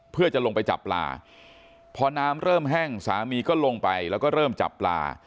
เพื่อจะลงไปจับปลาพอน้ำเริ่มแห้งสามีก็ลงไปแล้วก็เริ่มจับปลา